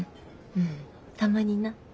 うんたまにな。